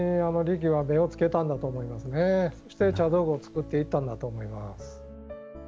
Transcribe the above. そして茶道具を作っていったんだと思います。